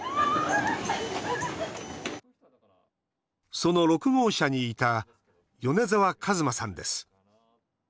その６号車にいた米澤和真さんです。